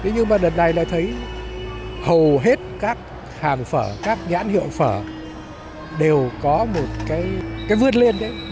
nhưng mà đợt này là thấy hầu hết các hàng phở các nhãn hiệu phở đều có một cái vươn lên đấy